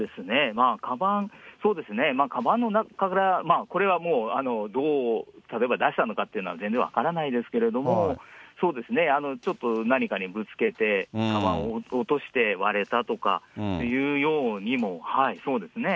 まあ、かばん、そうですね、かばんの中から、これはもう、どう出したのかっていうのは全然分からないですけども、そうですね、ちょっと何かにぶつけて、かばんを落として割れたとかっていうようにも、そうですね。